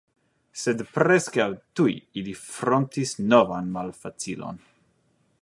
Sed preskaŭ tuj ili frontis novan malfacilon.